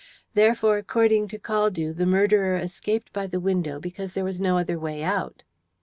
Therefore, according to Caldew, the murderer escaped by the window because there was no other way out.